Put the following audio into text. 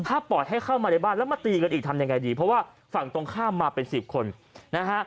ถ้าปล่อยให้เข้ามาในบ้านแล้วมาตีกันอีกทำยังไงดีเพราะว่าฝั่งตรงข้ามมาเป็นสิบคนนะฮะ